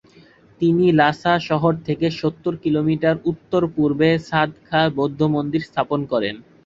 তিনি লাসা শহর থেকে সত্তর কিলোমিটার উত্তর-পূর্বে 'ছাদ-খা বৌদ্ধবিহার স্থাপন করেন।